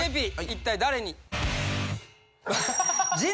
一体誰に？